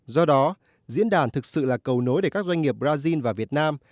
do đó diễn đàn thực sự là cầu nối để các doanh nghiệp brazil và việt nam